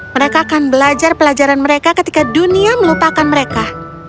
mereka akan belajar pelajaran mereka ketika dunia melupakan mereka